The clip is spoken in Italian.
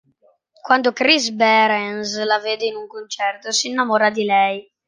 Quando Chris Behrens la vede in un concerto, si innamora di lei.